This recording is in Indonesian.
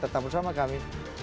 tetap bersama kami